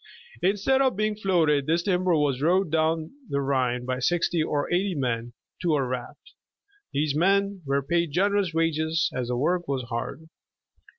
Instead of being floated, this tim ber was rowed down the Rhine by sixty or eighty men to a raft. These men were paid generous wages as the work was hard.